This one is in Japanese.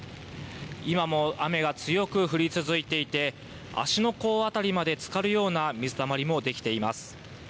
今も雨が強く降り続いていて、足の甲辺りまでつかるような水たまりも出来ています。